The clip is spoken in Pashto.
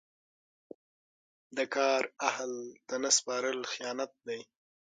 د کار اهل ته نه سپارل خیانت دی.